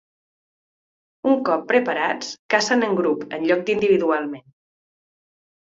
Un cop preparats, cacen en grup en lloc d'individualment.